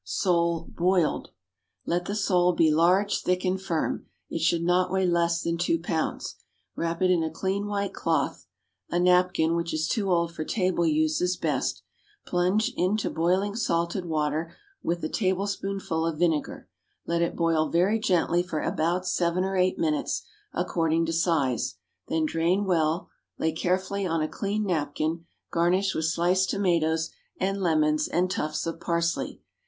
=Sole, Boiled.= Let the sole be large, thick, and firm; it should not weigh less than two pounds. Wrap it in a clean white cloth (a napkin which is too old for table use is best), plunge it into boiling salted water with a tablespoonful of vinegar, let it boil very gently for about seven or eight minutes, according to size, then drain well, lay carefully on a clean napkin. Garnish with sliced tomatoes and lemons, and tufts of parsley.